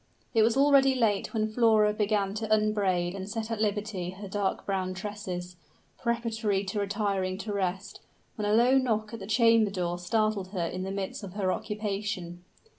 It was already late when Flora began to unbraid and set at liberty her dark brown tresses, preparatory to retiring to rest, when a low knock at the chamber door startled her in the midst of her occupation.